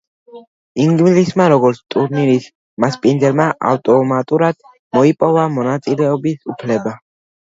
ინგლისმა, როგორც ტურნირის მასპინძელმა ავტომატურად მოიპოვა მონაწილეობის უფლება.